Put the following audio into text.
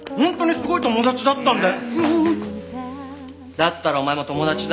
だったらお前も友達だ。